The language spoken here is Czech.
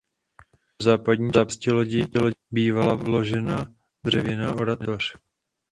Do západní části lodi bývala vložena dřevěná oratoř.